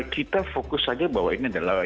kita fokus saja bahwa ini adalah